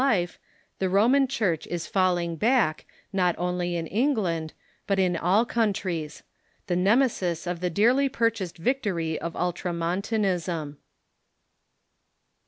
THE VATICAX COUNCIL 397 the Roman Church is falling back, not only in England, hut in all countries — the Nemesis of the dearly purchased victory of Ultramontanism.